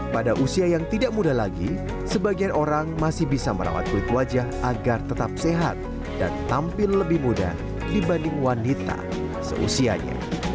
pada usia yang tidak muda lagi sebagian orang masih bisa merawat kulit wajah agar tetap sehat dan tampil lebih muda dibanding wanita seusianya